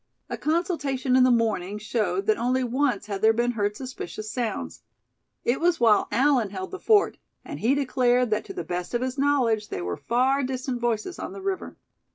A consultation in the morning showed that only once had there been heard suspicious sounds. It was while Allan held the fort; and he declared that to the best of his knowledge they were far distant voices on the river.